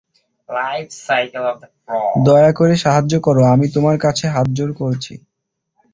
দয়া করে সাহায্য করো, আমি তোমার কাছে হাতজোড় করছি!